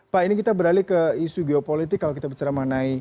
pak ini kita beralih ke isu geopolitik kalau kita bicara mengenai